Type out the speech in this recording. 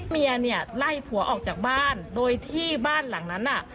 เมียเนี่ยไล่ผัวออกจากบ้านโดยที่บ้านหลังนั้นน่ะ